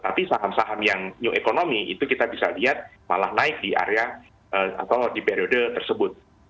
tapi saham saham yang new economy itu kita bisa lihat malah naik di area atau di periode tersebut